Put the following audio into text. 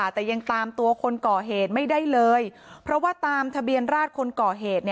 แต่ยังตามตัวคนก่อเหตุไม่ได้เลยเพราะว่าตามทะเบียนราชคนก่อเหตุ